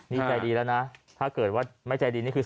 นี่ใจดีแล้วนะถ้าเกิดว่าไม่ใจดีนี่คือ